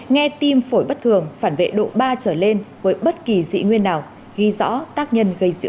nghe tim phổi bất thường phản vệ độ ba trở lên với bất kỳ dị nguyên nào ghi rõ tác nhân gây dịu